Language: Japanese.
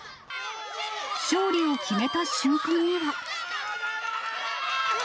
勝利を決めた瞬間には。